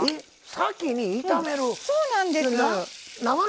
先に炒める？